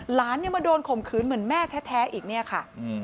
หลานยังมาโดนข่มขืนเหมือนแม่แท้อีกเนี่ยค่ะ